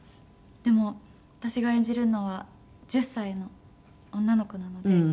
でも私が演じるのは１０歳の女の子なので。